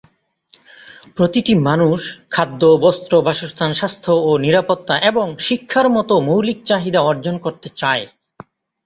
প্রতিটি মানুষ খাদ্য, বস্ত্র, বাসস্থান, স্বাস্থ্য ও নিরাপত্তা এবং শিক্ষার মত মৌলিক চাহিদা অর্জন করতে চায়।